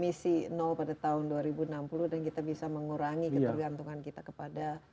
misi nol pada tahun dua ribu enam puluh dan kita bisa mengurangi ketergantungan kita kepada